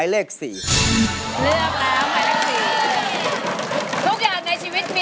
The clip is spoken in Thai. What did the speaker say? เลือกแล้ว